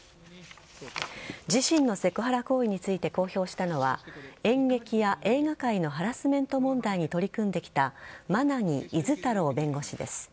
自身のセクハラ行為について公表したのは演劇や映画界のハラスメント問題に取り組んできた馬奈木厳太郎弁護士です。